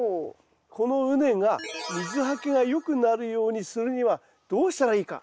この畝が水はけがよくなるようにするにはどうしたらいいか。